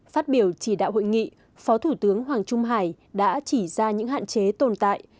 phát biểu chỉ đạo hội nghị phó thủ tướng hoàng trung hải đã chỉ ra những hạn chế tồn tại